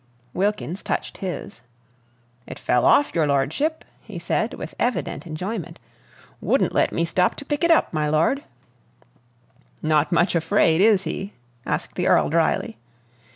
Wilkins touched his. "It fell off, your lordship," he said, with evident enjoyment. "Wouldn't let me stop to pick it up, my lord." "Not much afraid, is he?" asked the Earl dryly.